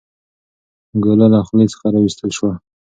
ګوله له خولې څخه راویستل شوه.